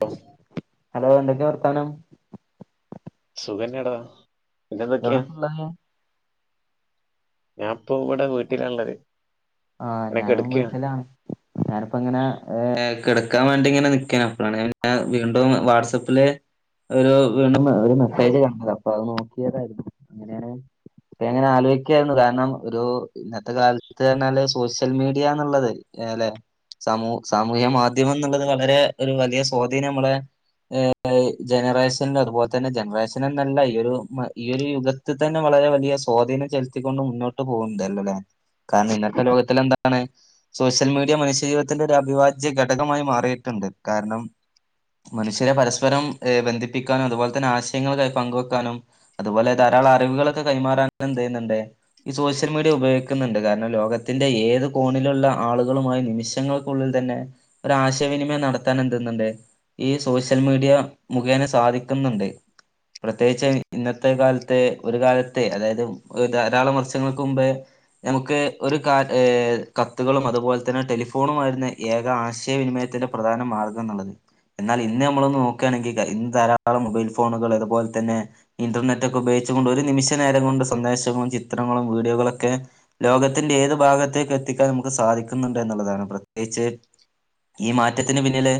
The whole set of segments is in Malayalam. ബസ് ഹലോ എന്തൊക്കെ വർത്താനം സുഖന്നെട പിന്നെന്തൊക്കെയാ എവിടെപ്പള്ളത് ഞാ ഇപ്പോ ഇവിടെ വീട്ടിലാള്ളത് ആഹ് ഇങ്ങനെ ഞാനും കെടക്കാണ് വിട്ടിലാണ് ഞാനിപ്പ ഇങ്ങനെ കിടക്കാൻ വേണ്ടി ഇങ്ങനെ നിക്ക അപ്പഴാണ് വീണ്ടും വാട്സപ്പില് വീണ്ടും ഒരു മെസ്സേജ് കാണത അപ്പൊ അത് നോക്കിയതായിരുന്നു അങ്ങനെയ എങ്ങനെ ആലോചിക്കായിരുന്നു കാരണം ഒരു ഇന്നത്തെ കാൽത്ത് പറഞ്ഞാല് സോഷ്യൽ മീഡിയാന്നുള്ളത് അല്ലെ സാമൂ സാമൂഹിക മാധ്യമം എന്നുള്ളത് വളരെ ഒരു വലിയ സ്വാധീനം നമ്മളെ ഹ ജനറേഷനിലും അതുപോലെ തന്നെ ജനറേഷനും നല്ല ഈ ഒരു ഈയ ഒരു യുഗത്തി തന്നെ വളരെ വലിയ സ്വാധീനം ചെലുത്തിക്കൊണ്ട് മുന്നോട്ട് പോകുന്നുണ്ടല്ലല്ലേ കാരണം ഇന്നത്തെ ലോക എന്താണ് സോഷ്യൽ മീഡിയ മനുഷ്യജീവിതത്തിന്റെ ഒരു അഭിഭാജ്യ ഘടകമായി മാറിയിട്ടുണ്ട് കാരണം മനുഷ്യരെ പരസ്പരം ബന്ധിപ്പിക്കാനും അതുപോലെ തന്നെ ആശയങ്ങൾക്കായി പങ്കുവെക്കാനും അതുപോലെ ധാരാളം അറിവുകളൊക്കെ കൈമാറാൻ എന്ത് ചെയ്യുന്നണ്ട് ഈ സോഷ്യൽ മീഡിയ ഉപയോഗിക്കുന്നുണ്ട് കാരണം ലോക ത്തിന്റെ ഏത് കോണിലുള്ള ആളുകളുമായി നിമിഷങ്ങൾക്കുള്ളിൽ തന്നെ ഒരു ആശയവിനിമയം നടത്താൻ എന്തന്നണ്ടേ ഈ സോഷ്യൽ മീഡിയ മുഖേന സാധിക്ക്ന്നുണ്ട് പ്രത്യേകിച്ച് ഇന്നത്തെ കാലത്തെ ഒരു കാലത്തെ അതായത് ധാരാളം വർഷങ്ങൾക്ക് മുമ്പേ നമുക്ക് ഒരു കത്തുകളും അതുപോലെ തന്നെ ടെലിഫോണു ആമായിരുന്ന ഏക ആശയവിനിമയത്തിന്റെ പ്രധാന മാർഗ്ഗം എന്നുള്ളത് എന്നാൽ ഇന്ന് നമ്മളൊന്ന് നോക്കുകയാണെങ്കിൽ ഇന്ന് ധാരാളം മൊബൈൽ ഫോണുകൾ അതുപോലെ തന്നെ ഇന്റർനെറ്റ് ഒക്കെ ഉപയോഗിച്ച്കൊണ്ട് ഒരു നിമിഷ നേരം കൊണ്ട് സന്ദേശങ്ങളും ചിത്രങ്ങളും വീഡിയോകളൊക്കെ ലോകത്തിന്റെ ഏത് ഭാഗത്തേക്ക് എത്തിക്കാൻ നമുക്ക് സാധിക്കുന്നുണ്ട് എന്നുള്ളതാണ് പ്രത്യേകിച്ച് ഈ മാറ്റത്തിന് പിന്നില്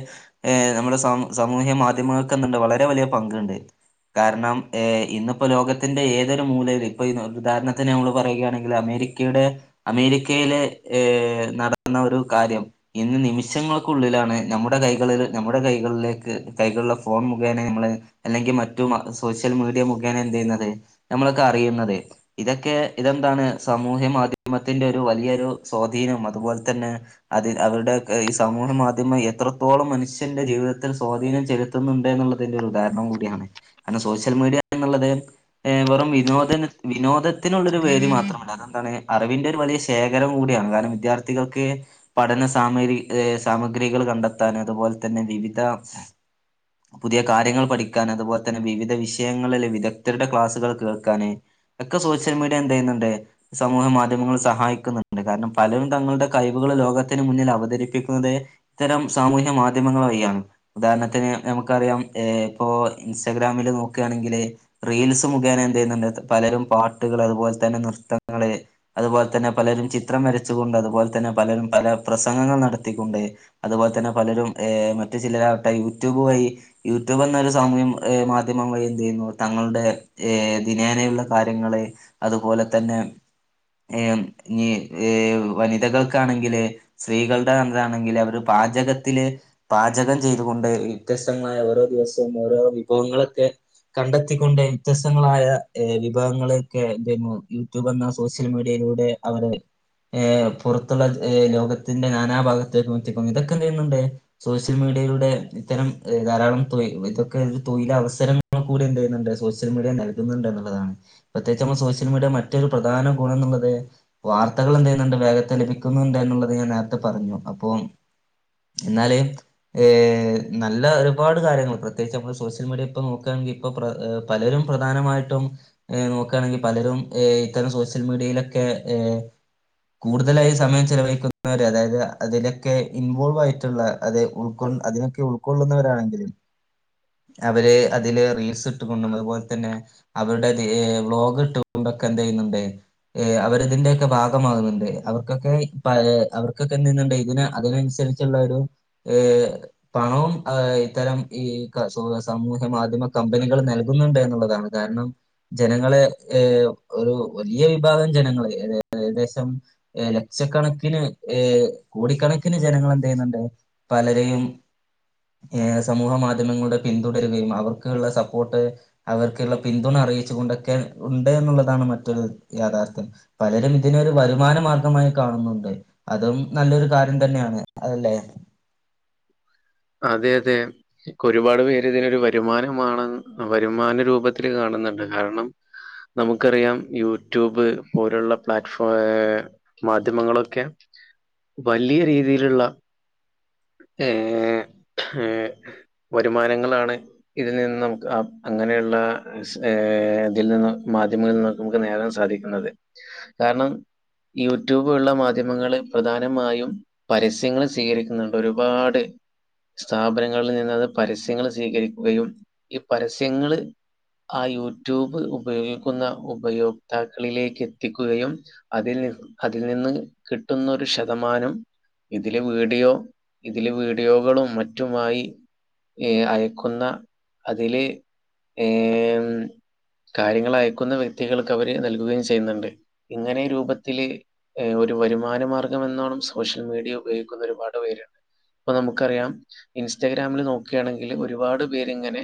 ഏ നമ്മടെ സ സാമൂഹിക മാധ്യമങ്ങൾക്കണ്ട് വളരെ വലിയ പങ്ക്ണ്ട് കാരണം ഇന്നിപ്പോ ലോകത്തിന്റെ ഏതൊരു മൂലൽ ഇപ്പൊ ഉദാഹരണത്തിന് നമ്മൾ പറയുകയാണെങ്കിൽ അമേരിക്ക കയ്ടെ അമേരിക്കയിലെ ഏ നടന്ന ഒരു കാര്യം ഇന്ന് നിമിഷങ്ങൾക്കുള്ളിലാണ് നമ്മുടെ കൈകളിൽ നമ്മുടെ കൈകളിലേക്ക് കൈകളുള്ള ഫോൺ മുഖേന നമ്മളെ അല്ലെങ്കിൽ മറ്റു സോഷ്യൽ മീഡിയ മുഖേന എന്ത് ചെയ്യുന്നത് നമ്മളൊക്കെ അറിയുന്നത് ഇതൊക്കെ ഇതെന്താണ് സാമൂഹ്യ മാധ്യമത്തിന്റെ ഒരു വലിയൊരു സ്വാധീനം അതുപോൽ തന്നെ അത് അവരുടെ ഈ സാമൂഹ മാധ്യമം എത്രത്തോളം മനുഷ്യന്റെ ജീവിതത്തിൽ സ്വാധീനം ചെലുത്ത ത്ന്നുണ്ട് എന്നുള്ളതിന്റെ ഒരു ഉദാഹരണം കൂടിയാണ് കാരണം സോഷ്യൽ മീഡിയ എന്നുള്ളം ഏ വെറും വിനോദ വിനോദത്തിനുള്ളൊരു പേര് മാത്രമല്ല അതെന്താണ് അറിവിന്റെ ഒരു വലിയ ശേഖരം കൂടിയാണ് കാരണം വിദ്യാർത്ഥികൾക്ക് പഠന സാമഗ്രി ഏ സാമഗ്രികൾ കണ്ടെത്താൻ അതുപോലെ തന്നെ വിവിധ പുതിയ കാര്യങ്ങൾ പഠിക്കൻ അതുപോലെ തന്നെ വിവിധ വിഷയങ്ങളെ വിദഗ്ധരുടെ ക്ലാസ്സുകൾ കേൾക്കാന് ഒക്കെ സോഷ്യൽ മീഡിയ എന്ത ചെയ്യുന്നുണ്ട് സമൂഹ മാധ്യമങ്ങൾ സഹായിക്കുന്നുണ്ട് കാരണം പലരും തങ്ങളുടെ കഴിവുകൾ ലോകത്തിന് മുന്നിൽ അവതരിപ്പിക്കുന്നത് ഇത്തരം സാമൂഹിക മാധ്യമങ്ങൾ വഴിയാണ് ഉദാഹരണത്തിന് നമുക്കറിയാം ഏഹ് ഇപ്പോ ഇൻസ്റ്റഗ്രാമില് നോക്കാണെങ്കില് റീൽസ് മുഖേന എന്ത്യ്യുന്നുണ്ട് പലരും പാട്ടുകൾ അതുപോലെ തന്നെ നൃത്തങ്ങള് അതുപോലെ തന്നെ പലരും ചിത്രം വരച്ചുകൊണ്ട് അതുപോലെ തന്നെ പലരും പല പ്രസംഗങ്ങൾ നടത്തിക്കൊണ്ട് അതുപോലെ തന്നെ പലരും ഹ് മറ്റു ചില ട്ട യൂട്യൂബ് വഴി യൂട്യൂബ് എന്നൊരു സാമൂഹം ഏഹ് മാധ്യമം വഴി എന്ത് ചെയ്യുന്നു തങ്ങളുടെ ഏഹ് ദിനേനയുള്ള കാര്യങ്ങള് അതുപോലെ തന്ന ഏഹ് ഇഞ് വനിതകൾക്കാണെങ്കില് സ്ത്രീകളുടെ ന്താണെങ്കിൽ അവര് പാചകത്തില് പാചകം ചെയ്തുകൊണ്ട് വ്യത്യസ്തങ്ങളായ ഓരോ ദിവസവും ഓരോ വിഭവങ്ങളൊക്കെ കണ്ടെത്തിക്കൊണ്ട് വ്യത്യസ്തങ്ങളായ ഏഹ് വിഭവങ്ങളൊക്കെ എന്തെയ്യുന്നു യൂടൂബ് സോഷ്യൽ മീഡിയയിലൂടെ അവരെ ഏഹ് പുറത്തുള്ള ഏഹ് ലോകത്തിന്റെ നാനാ ഭാഗത്തേക്കും എത്തിക്കും ഇതൊക്കെ എന്ത്യ്യുന്നുണ്ട് സോഷ്യൽ മീഡിയയിലൂടെ ഇത്തരം ധാരാളം തൊഴി ഇതൊക്കെ തൊഴിലവസരം നമ്മ കൂടി എന്ത് ചെയ്യുന്നുണ്ട് സോഷ്യൽ മീഡിയ നൽകുന്നുണ്ട് എന്നുള്ളതാണ് പ്രത്യേകിച്ച് നമ്മൾ സോഷ്യൽ മീഡിയ മറ്റൊരു പ്രധാ പ്രധാന ഗുണം ന്നുള്ളത് വാർത്തകൾ എന്ത്യ്യുന്നുണ്ട് വേഗത്തെൽ ലഭിക്കുന്നുണ്ട് എന്നുള്ളത് ഞാൻ നേരത്തെ പറഞ്ഞു അപ്പം എന്നാല് ഏഹ് നല്ല ഒരുപാട് കാര്യങ്ങൾ പ്രത്യേകിച്ച് നമ്മള് സോഷ്യൽ മീഡിയ ഇപ്പൊ നോക്കാണെങ്കി ഇപ്പൊ പ്ര പലരും പ്രധാനമായിട്ടും ഏഹ് നോക്കുണെങ്കിൽ പലരും ഏഹ് ഇത്തരം സോഷ്യൽ മീഡിയയിലൊക്കെ ഏഹ് കൂടുതലായി സമയം ചെലവഴിക്കുന്നവര് അതായത് അതിലൊക്കെ ഇൻവോൾവ് ആയിട്ടുള്ള അത് ഉൾ ഉൾകൊ അതിനൊക്കെ ഉൾക്കൊള്ളുന്നവരാണെങ്കില് അവര് അതില് റീൽസ് ഇട്ട് കൊണ്ടും അതുപോലെ തന്നെ അവരുടെ തേ വ്ലോഗും ഇട്ട് കൊണ്ട്എന്ത്യ്യുന്നുണ്ട് ഏഹ് അവര് ഇതിന്റെയൊക്കെ ഭാഗമാകുന്നുണ്ട് അവർക്കൊക്കെ ഇപോ അത് അവർക്കൊക്കെ എന്തയ്യുന്നുണ്ട് ഇതിനെ അതിനനുസരി ച്ചുള്ളരു ഏഹ് പണവും ഏഹ് ഇത്തരം ഈ ക സൊ സമൂഹ്യ മാധ്യമ കമ്പനികൾ നൽകുന്നുണ്ട് എന്നുള്ളതാണ്. കാരണം ജനങ്ങൾ ഏഹ് ഒരു വലിയ വിഭാഗം ജനങ്ങൾ ഏഹ് ഏകദേശം ലക്ഷക്കണക്കിന് ഏഹ് കോടിക്കണക്കിന് ജനങ്ങൾ എന്ത്യ്യുന്നുണ്ട് പലരെയും ഏഹ് സമൂഹ മാധ്യമങ്ങളിലൂടെ പിന്തുടരുകയും അവർക്കുള്ള സപ്പോർട്ട് അവർക്കുള്ള പിന്തുണ അറിയിച്ച് കൊണ്ടൊക്കെ ഉണ്ട് എന്നുള്ളതാണ് മറ്റൊരു യാഥാർഥ്യം. പലരും ഇതിനെരു വരുമാന മാർഗമായി കാണുന്നുണ്ട്. അതും നല്ലൊരു കാര്യം തന്നെയാണ് അതല്ലേ? അതെ അതെ. ഒരുപാട് പേര് ഇതിനൊരു വരുമാനമാണ് വരുമാന രൂപത്തിൽ കാണുന്നുണ്ട് കാരണം നമുക്കറിയാം യൂട്യൂബ് പോലുള്ള പ്ലാറ്റ്ഫോ ഏഹ് മാധ്യമങ്ങളൊക്കെ വലിയ രീതിയിലുള്ള ഏഹ് ഏഹ് വരുമാനങ്ങളാണ് ഇതിൽ നിന്ന് നമക്ക് അങ്ങനെയുള്ള ഏഹ് ഇതിൽ നിന്ന് മാധ്യമങ്ങളിൽ നിന്ന് നമുക്ക് നേടാൻ സാധിക്കുന്നത് കാരണം യൂട്യൂബ് ഉള്ള മാധ്യമങ്ങള് പ്രധാനമായും പരസ്യങ്ങൾ സ്വീകരിക്കുന്നുണ്ട് ഒരുപാട് സ്ഥാപനങ്ങളിൽ നിന്നത് പരസ്യങ്ങള് സ്വീകരിക്കുകയും ഈ പരസ്യങ്ങള് ആ യൂട്യൂബ് ഉപയോഗിക്കുന്ന ഉപയോക്താക്കളിലേക്ക് എത്തിക്കുകയും അതിൽ നി അതിൽ നിന്ന് കിട്ടുന്നൊരു ശതമാനം ഇതില് വീഡിയോ ഇതില് വീഡിയോകളും മറ്റുമായി ഏഹ് അയക്കുന്ന അതില് ഏഹ് കാര്യങ്ങളയക്കുന്ന വ്യക്തികൾക്ക് അവര് നൽകുകയും ചെയ്യുന്നുണ്ട് ഇങ്ങനീ രൂപത്തില് ഏ ഒരു വരുമാന മാർഗ്ഗം എന്നോണം സോഷ്യൽ മീഡിയ ഉപയോഗിക്കുന്ന ഒരുപാട് പേരുണ്ട് ഇപ്പൊ നമുക്കറിയാം ഇൻസ്റ്റഗ്രാമിൽ നോക്കയാണെങ്കിൽ ഒരുപാട് പേരിങ്ങനെ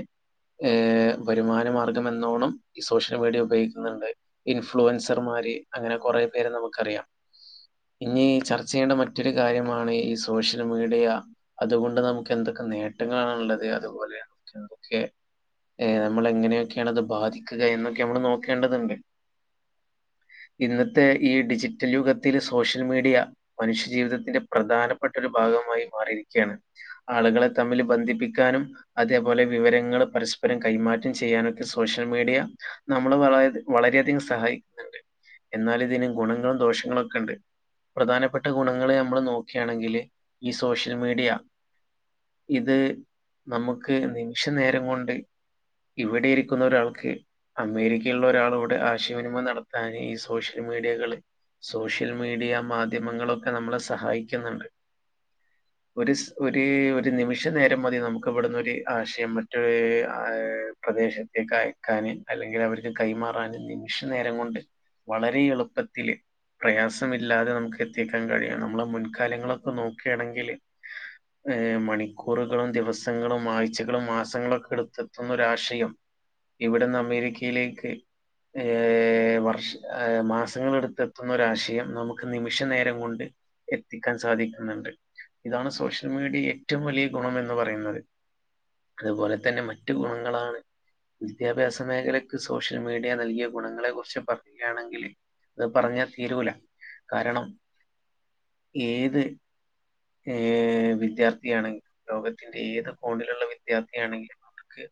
ഏഹ് വരുമാന മാർഗ്ഗം എന്നോണം ഈ സോഷ്യൽ മീഡിയ ഉപയോഗിക്കുന്നുണ്ട് ഇൻഫ്ലുവൻസർമാര് അങ്ങനെ കുറെേ പേരെ നമുക്കറിയാം ഇനി ചർച്ചെയ്യേണ്ട മറ്റൊരു കാര്യമാണ് ഈ സോഷ്യൽ മീഡിയ അതുകൊണ്ട് നമുക്ക് എന്തൊക്കെ നേട്ടങ്ങളണുള്ളത് അതുപോലെ നമുക്ക് എന്തൊക്കെ ഏ നമ്മളെ എങ്ങനെയൊക്കെയാണ് അത് ബാധിക്കുക എന്നൊക്കെ നമ്മള് നോക്കേണ്ടതുണ്ട് ഇന്നത്തെ ഈ ഡിജിറ്റൽ യുഗത്തില് സോഷ്യൽ മീഡിയ മനുഷ്യജീവിതത്തിന്റെ പ്രധാനപ്പെട്ട ഒരു ഭാഗമായി മാറിയിരിക്കുകയാണ് ആളുകളെ തമ്മില് ബന്ധിപ്പിക്കാനും അതേപോലെ വിവരങ്ങള് പരസ്പരം കൈമാറ്റം ചെയ്യാനൊക്കെ സോഷ്യൽ മീഡിയ നമ്മള് വള വളരെയധികം സഹായിക്കുന്നുണ്ട് എന്നാലും ഇതിന് ഗുണങ്ങളും ദോഷങ്ങളും ഒക്കെണ്ട് പ്രധാനപ്പെട്ട ഗുണങ്ങള് നമ്മൾ നോക്കയാണെങ്കില് ഈ സോഷ്യൽ മീഡിയ ഇത് നമുക്ക് നിമിഷ നേരം കൊണ്ട് ഇവിടെ ഇരിക്കുന്ന ഒരാൾക്ക് അമേരിക്കയിലുള്ള ഒരാളോട് ആശയവിനിമയം നടത്താന് ഈ സോഷ്യൽ മീഡിയകള് സോഷ്യൽ മീഡിയ മാധ്യമങ്ങളൊക്കെ നമ്മളെ സഹായിക്കുന്നുണ്ട് ഒര്സ് ഒര് ഒരു നിമിഷ നേരം മതി നമുക്ക് ഇവിടുന്നൊരു ആശയം മറ്റൊര് ആ ഏഹ് പ്രദേശത്തേക്ക് അയക്കാന് അല്ലെങ്കിൽ അവർക്ക് കൈമാറാന് നിമിഷ നേരം കൊണ്ട് വളരെ എളുപ്പത്തില് പ്രയാസമില്ലാതെ നമുക്ക് എത്തിക്കാൻ കഴിയാണ് നമ്മളെ മുൻകാലങ്ങളൊക്കെ നോക്കാണെങ്കില് ഏഹ് മണിക്കൂറുകളും ദിവസങ്ങളും ആഴ്ചകളും മാസങ്ങളൊക്കെ എടുത്തെത്തുന്നോരാശയം ഇവിടുന്ന് അമേരിക്കയിലേക്ക് ഏഹ് വർഷ മാസങ്ങളെടുത്ത് എത്തുന്നരാശയം നമുക്ക് നിമിഷ നേരം കൊണ്ട് എത്തിക്കാൻ സാധിക്കുന്നുണ്ട് ഇതാണ് സോഷ്യൽ മീഡിയ ഏറ്റവും വലിയ ഗുണം എന്ന് പറയുന്നത് അതുപോലെ തന്നെ മറ്റു ഗുണങ്ങളാണ് വിദ്യാഭ്യാസ മേഖലയ്ക്ക് സോഷ്യൽ മീഡിയ നൽകിയ ഗുണങ്ങളെ കുറിച്ച് പറയുകയാണെങ്കിൽ അത് പറഞ്ഞ തീരൂല കാരണം ഏത് ഏഹ് വിദ്യാർത്ഥിയാണെങ്കിലും ലോകത്തിന്റെ ഏത് കോണിലുള്ള വിദ്യാർത്ഥിയാണെങ്കിലും അവർക്ക്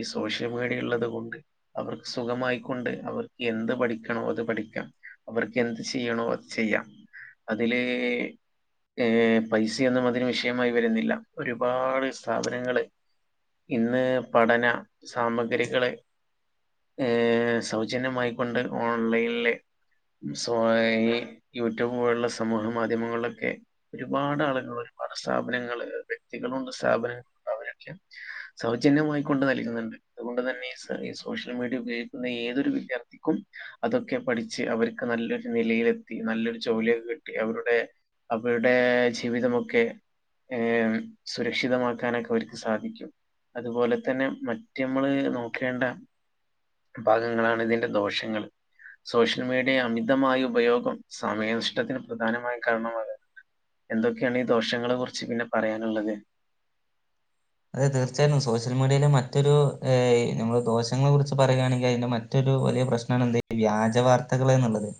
ഈ സോഷ്യൽ മീഡിയള്ളത് കൊണ്ട് അവർക്ക് സുഖമായിക്കൊണ്ട് അവർക്കെന്ത് പഠിക്കണോ അത് പഠിക്കാം അവർക്ക് എന്ത് ചെയ്യണോ അത് ചെയ്യാം അതില് ഏഹ് പൈസയൊന്നും അതിന് വിഷയമായി വരുന്നില്ല ഒരുപാട് സ്ഥാപനങ്ങള് ഇന്ന് പഠന സാമഗ്രികള് ഏഹ് സൗജന്യമായിക്കൊണ്ട് ഓൺലൈന്ല് സോ ഈ യൂട്യൂബ് പോലുള്ള സമൂഹ മാധ്യമങ്ങളിലൊക്കെ ഒരുപാട് ആളുകൾ ഒരുപാട് സ്ഥാപനങ്ങള് വ്യക്തികളുണ്ട് സ്ഥാപനങ്ങളുണ്ട് ഒരുലക്ഷം സൗജന്യമായിക്കൊണ്ട് നൽകുന്ന്ണ്ട് അതുകൊണ്ട് തന്നെ സ ഈ സോഷ്യൽ മീഡിയ ഉപയോഗിക്കുന്ന ഏതൊരു വിദ്യാർത്ഥിക്കും അതൊക്കെ പഠിച്ച് അവർക്ക് നല്ലൊരു നിലയിലെത്തി നല്ലൊരു ജോലിയൊക്കെ കിട്ടി അവരുടെ അവരുടെ ജീവിതമൊക്കെ ഏഹ് സുരക്ഷിതമാക്കാനൊക്കെ അവർക്ക് സാധിക്കും അതുപോലെ തന്നെ മറ്റ് നമ്മള് നോക്കേണ്ട ഭാഗങ്ങളാണ് ഇതിന്റെ ദോഷങ്ങള് സോഷ്യൽ മീഡിയ അമിതമായ ഉപയോഗം സമയനഷ്ടത്തിന് പ്രധാനമായും കാരണമാണ് എന്തൊക്കെയാണ് ഈ ദോഷങ്ങളെ കുറിച്ച് പിന്നെ പറയാനുള്ളത് അതെ തീർച്ചയായും സോഷ്യൽ മീഡിയയില് മറ്റൊരു ഏഹ് നമ്മൾ ദോഷങ്ങളെ കുറിച്ച് പറയാണെങ്കിൽ അതിന്റെ മ മറ്റൊരു വല്യ പ്രശ്നാണ് എന്ത് വ്യാജ വാർത്തകൾ എന്നുള്ളത്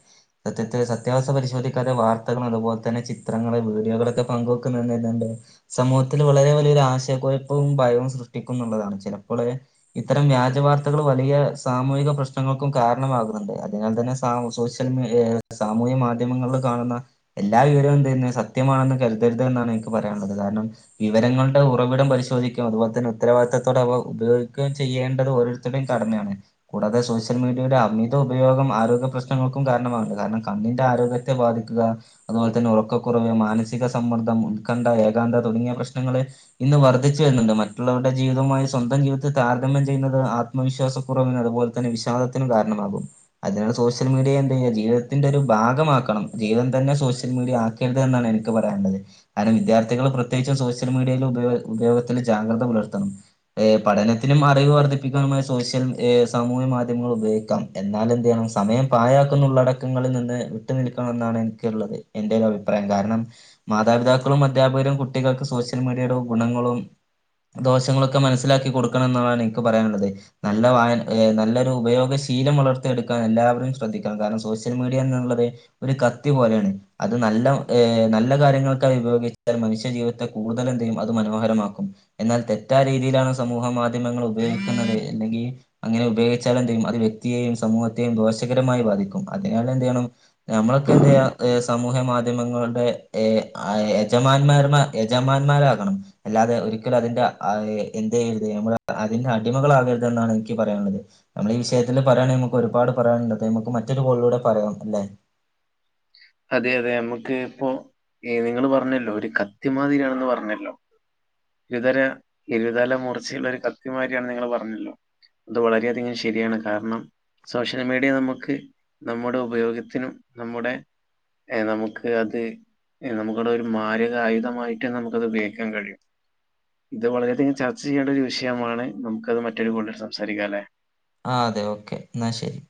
സത്യത്തെ സത്യാവസ്ഥ പരിശോധിക്കാതെ വാർത്തകൾ അതുപോലെ തന്നെ ചിത്രങ്ങൾ വീഡിയോകളൊക്കെ പങ്കു [unintelligible] സമൂഹത്തിൽ വളരെ വലിയൊരു ആശയക്കുയപ്പവും ഭയവും സൃഷ്ടിക്കും എന്നുള്ളതാണ് ചിലപ്പള് ഇത്തരം വ്യാജ വർത്തകൾ വലിയ സാമൂഹിക പ്രശ്നങ്ങൾക്കും കാരണമാകുന്നുണ്ട് അതിനാൽ തന്നെ. ആഹ് സോഷ്യൽ മീ ഏഹ് സാമൂഹിക മാധ്യമങ്ങളിൽ കാണുന്ന എല്ലാ വിവരവും ഇത് തന്നെ സത്യമാണെന്ന് കരുതരുത് എന്നാണ് എനിക്ക് പറയാനുള്ളത് കാരണം വിവരങ്ങളുടെ ഉറവിടം പരിശോധിക്കണം അതുപോലെ തന്നെ ഉത്തരവാദിത്തോടെ അവ ഉപയോഗിക്കുകയും ചെയ്യേണ്ടത് ഓരോരുത്തരുടെയും കടമയാണ്. കൂടാതെ സോഷ്യൽ മീഡിയേടെ അമിത ഉപയോഗം ആരോഗ്യ പ്രശ്നങ്ങൾക്കും കാരണമാവ്ണ്ട് കാരണം കണ്ണിന്റെ ആരോഗ്യ ഗ്യത്തെ ബാധിക്കുക അതുപോലെ തന്നെ ഉറക്കക്കുറവ് മാനസിക സമ്മർദ്ദം ഉത്കണ്ഠ ഏകാന്തത തുടങ്ങിയ പ്രശ്നങ്ങള് ഇന്ന് വർദ്ധിച്ചു വരുന്നുണ്ട് മറ്റുള്ളവരുടെ ജീവിതവുമായി സ്വന്തം ജീവിതത്തെ താരതമ്യം ചെയ്യുന്നത് ആത്മവിശ്വാസം കുറവിനും അതുപോലെ തന്നെ വിശാദത്തിനും കാരണമാകും. അതിനാണ്ട് സോഷ്യൽ മീഡിയ എന്ത് ജീവിതത്തിന്റെ ഒരു ഭാഗമാക്കണം ജീവിതം തന്നെ സോഷ്യൽ മീഡിയ ആക്കരുത് എന്നാണ് എനിക്ക് പറയാനുള്ളത് കാരണം വിദ്യാർത്ഥികൾ പ്രത്യേകിച്ചും സോഷ്യൽ മീഡിയയിൽ [unintelligible] ള് ഉപയോഗത്തില് ജാഗ്രത പുലർത്തണം ഏഹ് പഠനത്തിനും അറിവ് വർദ്ധിപ്പിക്കാനുമായി സോഷ്യൽ ഏഹ് സാമൂഹ്യ മാധ്യമങ്ങൾ ഉപയോഗിക്കാം. എന്നാല് എന്ത് ചെയ്യണം സമയം പായക്കുന്നുള്ളടക്കങ്ങളിൽ നിന്ന് വിട്ടു നിൽക്കണം എന്നാണ് എനിക്കുള്ളത്. എന്റെ ഒരു അഭിപ്രായം കാരണം മാതാപിതാക്കളും അധ്യാപകരും കുട്ടികൾക്ക് സോഷ്യൽ മീഡിയയുടെ ഉപയോ ഗുണങ്ങളും ദോഷങ്ങളൊക്കെ മനസ്സിലാക്കി കൊടുക്കണം എന്നാണ് എനിക്ക് പറയാനുള്ളത്. നല്ല വായന ഏഹ് നല്ലൊരു ഉപയോഗശീലം വളർത്തിയെടുക്കാൻ എല്ലാവരും ശ്രദ്ധിക്കണം കാരണം സോഷ്യൽ മീഡിയ എന്നുള്ളത് ഒരു കത്തി പോലെയാണ് അത് നല്ല ഏഹ് നല്ല കാര്യങ്ങൾക്കായി ഉപയോഗിച്ചാൽ മനുഷ്യജീവിതത്തെ കൂടുതൽ എന്തെയും അത് മനോഹരമാക്കും എന്നാൽ തെറ്റായ രീതിയിലാണ് സമൂഹ മാധ്യമങ്ങൾ ഉപയോഗിക്കുന്നത് അല്ലെങ്കി അങ്ങനെ ഉപയോഗിച്ചാൽ എന്ത് ചെയ്യും അത് വ്യക്തിയെയും സമൂഹത്തെയും ദോഷകരമായി ബാധിക്കും അതിനാൽ എന്ത് ചെയ്യണം ഞമ്മളൊക്കെ എന്തെയ്യാ ഏസ് സമൂഹ മാധ്യമങ്ങളുടെ എ അ യജമാന്മാർമാ യജമാന്മാരാ ണം അല്ലാതെ ഒരിക്കലും അതിന്റെ ആഹ് എന്ത് ചെയ്യരുത് നമ്മൾ അതിന്റെ അടിമകളാകരുത് എന്നാണ് എനിക്ക് പറയാനുള്ളത്. നമ്മൾ ഈ വിഷയത്തില് പറയാണെങ്കിൽ നമുക്ക് ഒരുപാട് പറയാനുണ്ട് നമ്മക്ക് മറ്റൊരു കോളിലൂടെ പറയാം അല്ലെ? അതെ അതെ നമ്മക്ക് ഇപ്പോ ഏയ് നിങ്ങള് പറഞ്ഞല്ലോ ഒരു കത്തി മാതിരിയാണെന്ന് പറഞ്ഞല്ലോ? ഇരുതര ഇരുതല മുർച്ചയുള്ള ഒരു കത്തിമാരിയാണ് നിങ്ങള് പറഞ്ഞല്ലോ? അത് വളരെയധികം ശരിയാണ് കാരണം സോഷ്യൽ മീഡിയാ നമ്മക്ക് നമ്മടെ ഉപയോഗത്തിനും നമ്മടെ ഏഹ് നമുക്ക് അത് ഏഹ് നമുക്കെടെ ഒരു മാരക ആയുധമായിട്ട് നമുക്കത് ഉപയോഗിക്കാൻ കഴിയും. ഇത് വളരെയധികം ചർച്ച ചെയ്യേണ്ട ഒരു വിഷയമാണ് നമുക്കത് മറ്റൊരു കോളിൽ സംസാരിക്കാം അല്ലേ? ആഹ് അതെ ഓക്കെ എന്നാ ശരി.